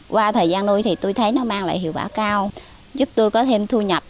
qua thời gian nuôi thì tôi thấy nó mang lại hiệu quả cao giúp tôi có thêm thu nhập